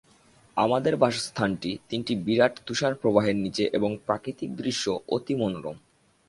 আমাদের বাসস্থানটি তিনটি বিরাট তুষার-প্রবাহের নীচে এবং প্রাকৃতিক দৃশ্য অতি মনোরম।